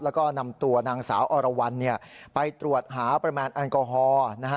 แล้วก็นำตัวนางสาวอรวรรณไปตรวจหาปริมาณแอลกอฮอล์นะฮะ